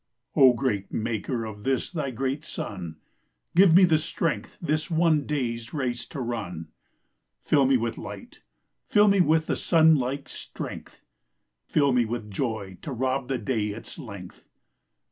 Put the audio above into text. O greater Maker of this Thy great sun, Give me the strength this one day s race to run, Fill me with light, fill me with sun like strength, Fill me with joy to rob the day its length.